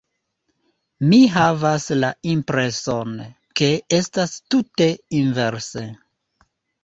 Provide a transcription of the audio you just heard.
Mi havas la impreson, ke estas tute inverse.